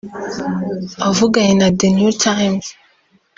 Avugana na The New Times